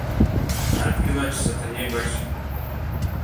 Адгьылаҿ Саҭанеи Гәашьа!